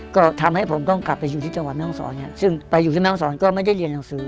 ก็ทำให้ผมต้องกลับไปอยู่ที่จังหวัดแม่ห้องศรซึ่งไปอยู่ที่แม่ห้องศรก็ไม่ได้เรียนหนังสือ